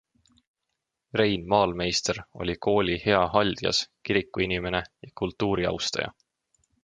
Rein Maalmeister oli kooli hea haldjas, kirikuinimene, kultuuriaustaja.